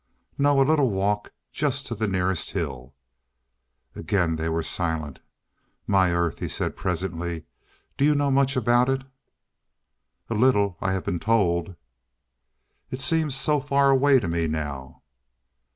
"No. A little walk just to that nearest hill." Again they were silent. "My Earth," he said presently, "do you know much about it?" "A little. I have been told." "It seems so far away to me now."